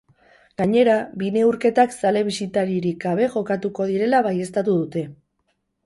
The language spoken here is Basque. Gainera, bi neurketak zale bisitaririk gabe jokatuko direla baieztatu dute.